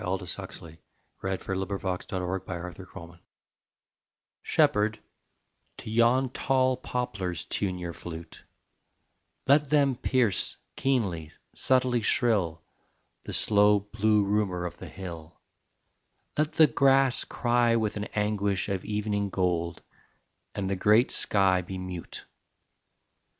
Earth fails beneath his feet. SONG OF POPLARS Shepherd, to yon tall poplars tune your flute: Let them pierce, keenly, subtly shrill, The slow blue rumour of the hill; Let the grass cry with an anguish of evening gold, And the great sky be mute.